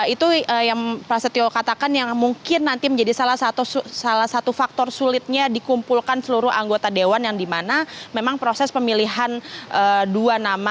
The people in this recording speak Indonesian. itu yang prasetyo katakan yang mungkin nanti menjadi salah satu faktor sulitnya dikumpulkan seluruh anggota dewan yang dimana memang proses pemilihan dua nama